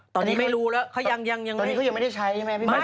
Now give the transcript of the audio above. ตอนนี้ไม่รู้แล้วเขายังไม่ได้ใช้ใช่ไหมพี่พี่